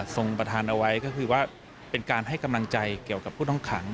ประธานเอาไว้ก็คือว่าเป็นการให้กำลังใจเกี่ยวกับผู้ต้องขัง